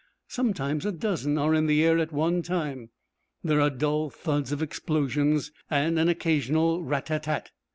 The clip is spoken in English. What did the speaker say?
Sometimes a dozen are in the air at one time. There are the dull thuds of explosions and an occasional rat tat tat.